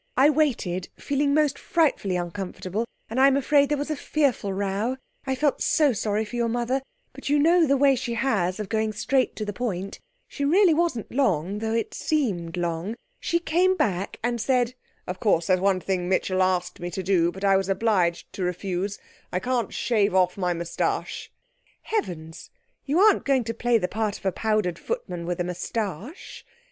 I waited, feeling most frightfully uncomfortable, and I am afraid there was a fearful row I felt so sorry for your mother, but you know the way she has of going straight to the point. She really wasn't long, though it seemed long. She came back and said ' 'Of course there's one thing Mitchell asked me to do, but I was obliged to refuse. I can't shave off my moustache.' 'Heavens! You aren't going to play the part of a powdered footman with a moustache?'